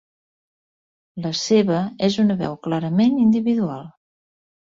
La seva és una veu clarament individual.